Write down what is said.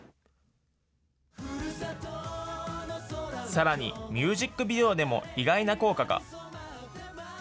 さらに、ミュージックビデオでも意外な効果が。